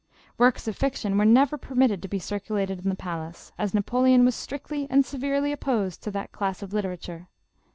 Works of fiction were never permitted to be circulated in the palace, as Napoleon was strictly and, severely opposed to that class of literature.